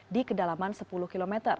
di kedalaman sepuluh km